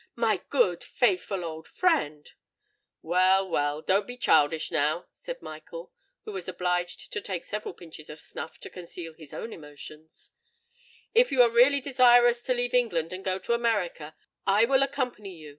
My good—faithful old friend——" "Well—well: don't be childish, now," said Michael, who was obliged to take several pinches of snuff to conceal his own emotions: "if you are really desirous to leave England and go to America, I will accompany you.